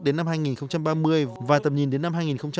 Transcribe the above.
đến năm hai nghìn ba mươi và tầm nhìn đến năm hai nghìn bốn mươi năm